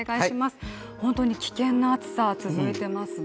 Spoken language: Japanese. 本当に危険な暑さ続いていますね。